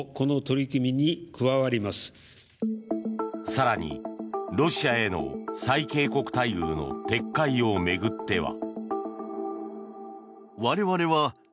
更に、ロシアへの最恵国待遇の撤回を巡っては。